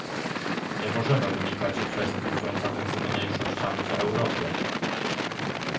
Nie możemy unikać kwestii związanych z mniejszościami w Europie